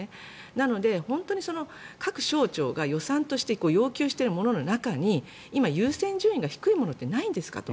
なので、本当に各省庁が予算として要求しているものの中に今、優先順位が低いものってないんですかと。